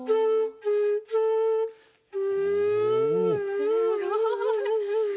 すごい。